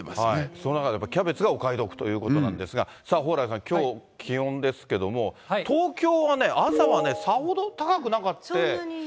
その中でキャベツがお買い得ということなんですが、さあ、蓬莱さん、きょう気温ですけども、東京はね、朝はね、さほど高くなくて。